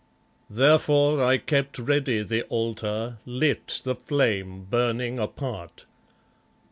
Therefore I kept ready the altar, lit The flame, burning apart.